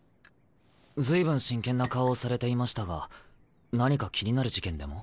随分真剣な顔をされていましたが何か気になる事件でも？